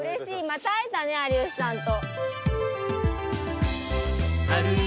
また会えたね有吉さんと。